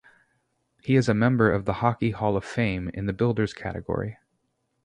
He is a member of the Hockey Hall of Fame in the builders category.